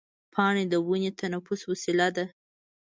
پاڼې د ونې د تنفس وسیله ده.